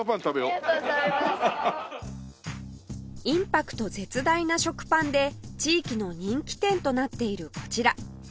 インパクト絶大な食パンで地域の人気店となっているこちら